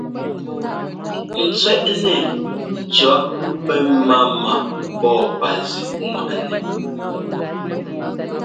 N tsẅɛ́ꞌnɛ cɔ̌ pɛmáma pɔ́ɔpazíꞌŋwaꞌnɛ.